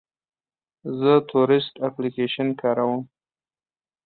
زه تورسټ اپلیکیشن کاروم.